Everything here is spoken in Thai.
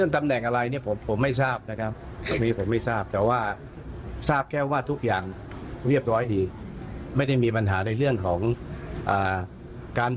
ทหารบันทิกษ์ประชาติก็ยึดตรงนั้นนะครับ